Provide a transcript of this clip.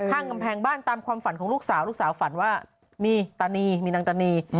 ข้างกำแพงบ้านตามความฝันของลูกสาวลูกสาวฝันว่ามีตานีมีนางตานี